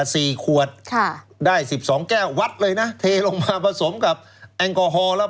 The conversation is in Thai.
สี่ขวดค่ะได้สิบสองแก้ววัดเลยนะเทลงมาผสมกับแอลกอฮอล์แล้ว